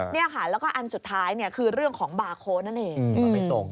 นี่ค่ะแล้วก็อันสุดท้ายเนี่ยคือเรื่องของบาร์โค้ดนั่นเอง